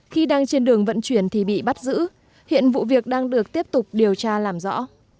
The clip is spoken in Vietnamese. khi đang trên đường vận chuyển thì bị bắt giữ hiện vụ việc đang được tiếp tục điều tra làm rõ